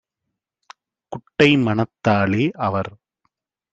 குட்டை மனத்தாலே - அவர்